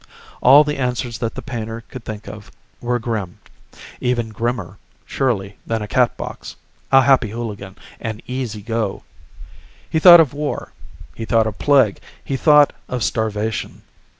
All the answers that the painter could think of were grim. Even grimmer, surely, than a Catbox, a Happy Hooligan, an Easy Go. He thought of war. He thought of plague. He thought of starvation.